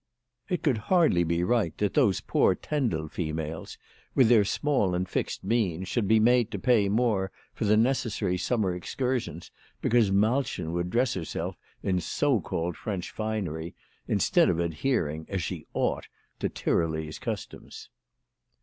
It could hardly be right that those poor Tendel females, with their small and fixed means, should be made to pay more for their necessary summer excursions because Malchen would dress herself in so called French WHY FRAU FROHMANN RAISED HER PRICES. 25 finery, instead of adhering, as she ought, to Tyrolese customs.